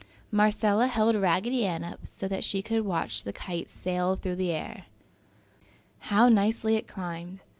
Marcella held Raggedy up so that she could watch the kite sail through the air. How nicely it climbed!